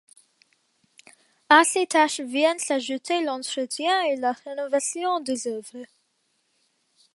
À ces tâches viennent s'ajouter l'entretien et la rénovation des œuvres.